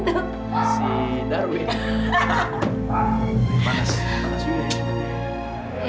wah panas panas juga ya